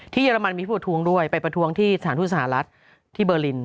เยอรมันมีผู้ประท้วงด้วยไปประท้วงที่สถานทูตสหรัฐที่เบอร์ลิน